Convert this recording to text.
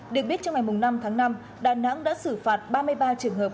được biết trong ngày năm tháng năm đà nẵng đã xử phạt ba mươi ba trường hợp